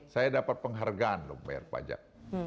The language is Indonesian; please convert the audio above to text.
saya dapat penghargaan dong bayar pajak